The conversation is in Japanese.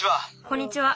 こんにちは。